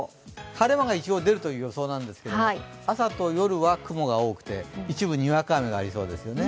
晴れ間が一応出るという予想ですが朝と夜は雲が多くて、一部にわか雨がありそうですよね。